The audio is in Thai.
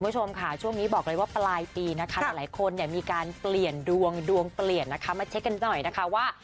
คุณผู้ชมค่ะช่วงนี้บอกเลยว่าปลายปีนะคะหลายคนเนี่ยมีการเปลี่ยนดวงดวงเปลี่ยนนะคะมาเช็คกันหน่อยนะคะว่า